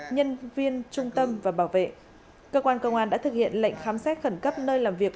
nhân viên trung tâm và bảo vệ cơ quan công an đã thực hiện lệnh khám xét khẩn cấp nơi làm việc